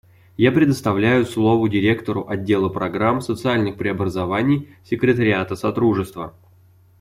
Я предоставляю слово Директору Отдела программ социальных преобразований Секретариата Содружества.